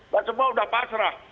dan semua sudah pasrah